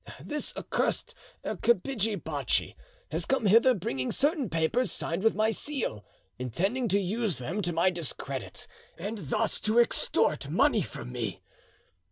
This accursed kapidgi bachi has come hither bringing certain papers signed with my seal, intending to use them to my discredit, and thus to extort money from me.